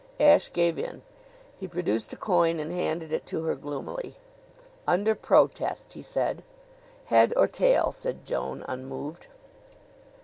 Ashe gave in. He produced a coin and handed it to her gloomily. "Under protest," he said. "Head or tail?" said Joan, unmoved.